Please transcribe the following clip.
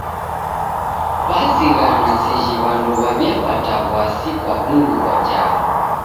Wazighana seji w'andu w'aw'iapata w'asi kwa w'undu ghwa njala.